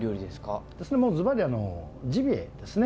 ずばりジビエですね。